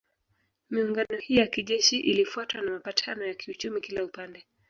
Miungano hii ya kijeshi ilifuatwa na mapatano ya kiuchumi kila upande